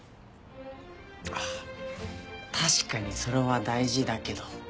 あっ確かにそれは大事だけど。